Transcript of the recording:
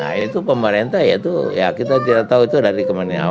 nah itu pemerintah ya itu ya kita tidak tahu itu dari kementerian awal